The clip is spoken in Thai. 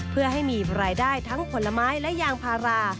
เพื่อให้มีรายได้ทั้งผลไม้และยางพารา